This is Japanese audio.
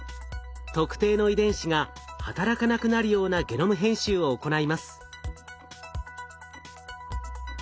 特定の遺伝子が働かなくなるようなゲノム編集を行います。